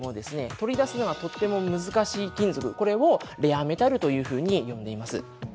取り出すのがとっても難しい金属これをレアメタルというふうに呼んでいます。